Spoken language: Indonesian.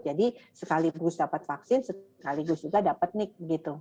jadi sekaligus dapat vaksin sekaligus juga dapat nik